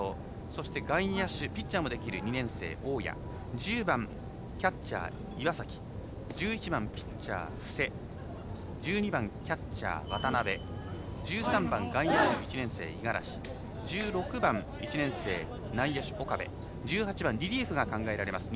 そして外野手ピッチャーもできる２年生大矢１０番キャッチャー岩崎１１番、ピッチャー布施１２番、キャッチャー渡部１３番、外野手、１年生、五十嵐１６番、１年生、内野手、岡部１８番リリーフが考えられます。